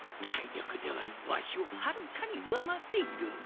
体力ではワシをはるかに上回っている。